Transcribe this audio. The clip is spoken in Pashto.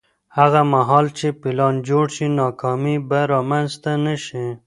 هغه مهال چې پلان جوړ شي، ناکامي به رامنځته نه شي.